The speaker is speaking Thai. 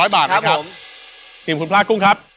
๑๘๐๐บาทครับผมขอบคุณพลาดกุ้งครับ